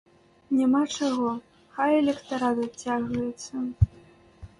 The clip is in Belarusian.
Няма чаго, хай электарат адцягваецца!